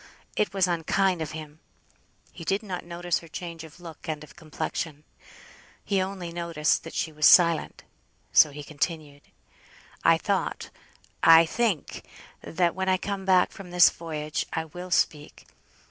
It was unkind of him. He did not notice her change of look and of complexion. He only noticed that she was silent, so he continued: "I thought I think, that when I come back from this voyage, I will speak.